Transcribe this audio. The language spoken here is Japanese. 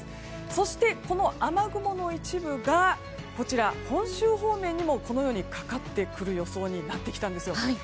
そして、この雨雲の一部が本州方面にもかかってくる予想になってきたんですよ。